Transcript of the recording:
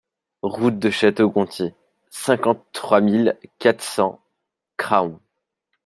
Route de Château Gontier, cinquante-trois mille quatre cents Craon